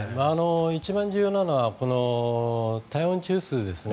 一番重要なのは体温中枢ですね